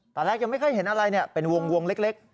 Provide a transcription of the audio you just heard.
ตอนแรกยังไม่ค่อยเห็นอะไรเป็นวงเล็ก